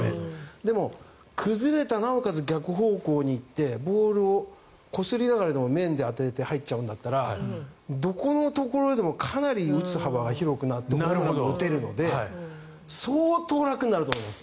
でも、崩れた、なおかつ逆方向に行ってボールをこすりながらでも、面に入れて入っちゃうんだったらどこのところでもかなり打つ幅が広くなって打てるので相当楽になると思います